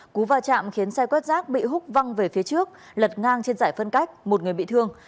cú va chạm khiến xe quét rác bị hút văng về phía trước lật ngang trên giải phân cách một người bị thương